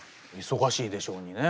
忙しいでしょうにね。